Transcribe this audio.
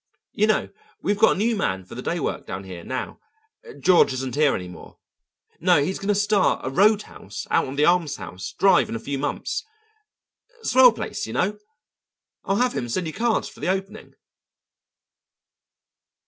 "You know, we've got a new man for the day work down here now George isn't here any more. No, he's going to start a roadhouse out on the almshouse drive in a few months; swell place, you know. I'll have him send you cards for the opening."